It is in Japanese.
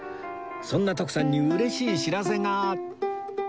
そんな徳さんにうれしい知らせが！